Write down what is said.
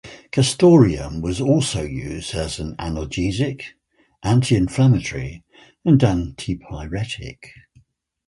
Castoreum was also used as an analgesic, anti-inflammatory, and antipyretic.